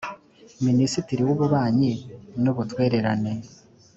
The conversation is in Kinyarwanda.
minisitiri w ububanyi n ubutwererana